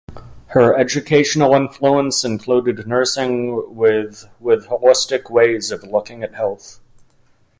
Her educational influence included nursing with "with holistic ways of looking at health".